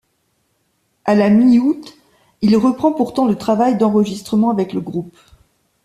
A la mi-août, il reprend pourtant le travail d'enregistrement avec le groupe.